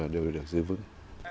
đều được giữ vững